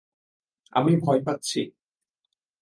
আমি ভয় পাচ্ছি।